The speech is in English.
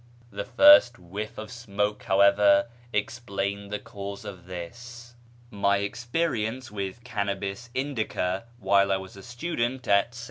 The first whiff of smoke, how ever, explained the cause of this. My experience with Cannabis Indica while I was a student at St. Bartholomew's ^ See vol.